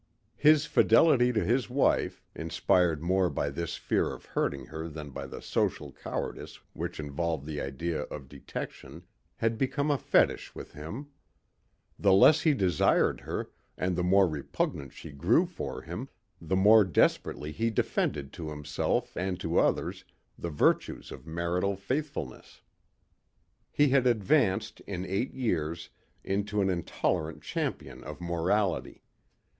His fidelity to his wife, inspired more by this fear of hurting her than by the social cowardice which involved the idea of detection, had become a fetish with him. The less he desired her and the more repugnant she grew for him, the more desperately he defended to himself and to others the virtues of marital faithfulness. He had advanced in eight years into an intolerant champion of morality.